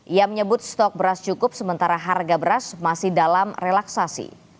ia menyebut stok beras cukup sementara harga beras masih dalam relaksasi